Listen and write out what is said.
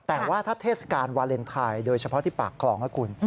แต่ว่าถ้าเทศกาลวาเลนไทยโดยเฉพาะที่ปากคลองนะคุณ